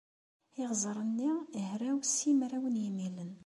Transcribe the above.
Iɣzer-nni hraw simraw n yimilen.